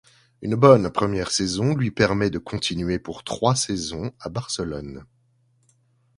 Une bonne première saison lui permet de continuer pour trois saisons à Barcelone.